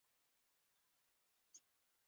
هغه کسان چې له دوی سره ډېر ملګري او همکاران وو.